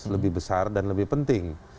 lebih besar dan lebih penting